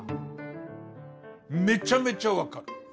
めちゃめちゃ分かる。